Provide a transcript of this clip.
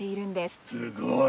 すごい。